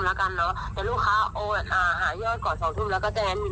แล้วกันเนอะแต่ลูกค้าโอนอ่าหายอดก่อนสองทุ่มแล้วก็แซน